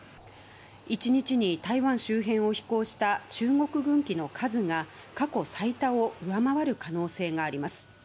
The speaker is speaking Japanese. １日に台湾周辺を飛行した中国軍機の数が過去最多を上回る可能性があります。